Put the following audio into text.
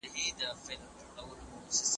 دا زموږ د خلکو لپاره یوه ډالۍ ده.